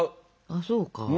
あそうか。